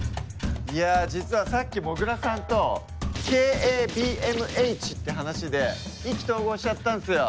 いや実はさっきもぐらさんとＫＡＢＭＨって話で意気投合しちゃったんすよ。